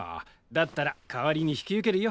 だったら代わりに引き受けるよ。